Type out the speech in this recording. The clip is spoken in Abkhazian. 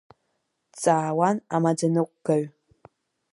Дҵаауан амаӡаныҟәгаҩ.